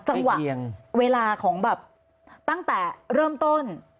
จังหวะเวลาของแบบตั้งแต่เริ่มต้น